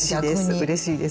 うれしいです逆に。